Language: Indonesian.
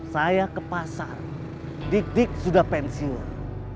saya ke pasar dik dik sudah pensiun